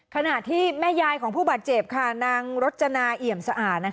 ขณะที่แม่ยายของผู้บาดเจ็บค่ะนางรจนาเอี่ยมสะอาด